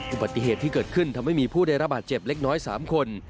อุบัติเหตุที่เกิดขึ้นทำให้มีผู้ได้รับบาดเจ็บเล็กน้อย๓คน